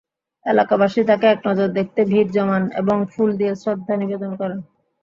এলাকাবাসী তাঁকে একনজর দেখতে ভিড় জমান এবং ফুল দিয়ে শ্রদ্ধা নিবেদন করেন।